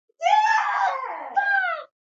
خیر محمد د پیغامونو شمېر حساب کړ.